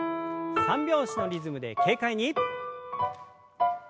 三拍子のリズムで軽快に。